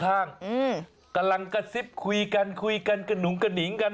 กำลังกระซิบคุยกันคุยกันกระหนุงกระหนิงกัน